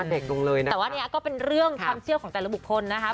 แต่นี่คือเป็นเรื่องชื่อของแต่ละบุคคลนะครับ